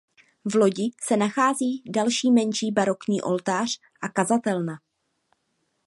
V lodi se nachází další menší barokní oltář a kazatelna.